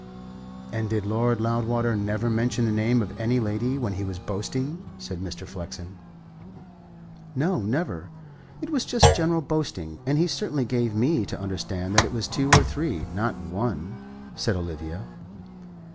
"And did Lord Loudwater never mention the name of any lady when he was boasting?" said Mr. Flexen. "No. Never. It was just general boasting. And he certainly gave me to understand that it was two or three, not one," said Olivia.